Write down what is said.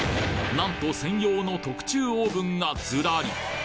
なんと専用の特注オーブンがずらり！